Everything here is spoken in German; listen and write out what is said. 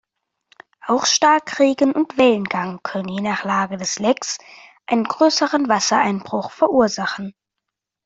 Auch Starkregen und Wellengang können je nach Lage des Lecks einen größeren Wassereinbruch verursachen.